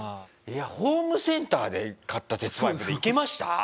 いやホームセンターで買った鉄パイプでいけました？